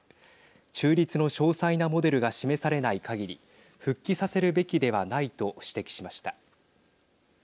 中立の詳細なモデルが示されないかぎり復帰させるべきではないと指摘しました。